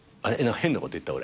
何か変なこと言った？